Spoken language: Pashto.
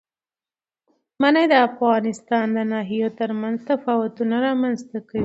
منی د افغانستان د ناحیو ترمنځ تفاوتونه رامنځ ته کوي.